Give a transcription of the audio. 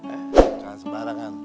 eh gak sebarang kan